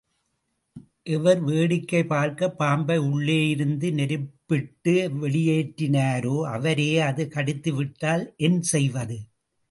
எவர் வேடிக்கை பார்க்கப் பாம்பை உள்ளேயிருந்து நெருப்பிட்டு வெளியேற்றினாரோ அவரையே அது கடித்துவிட்டால் என் செய்வது?